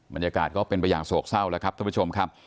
บรรยากาศก็เป็นสกเช่าแล้วครับท่านผู้ชมครับ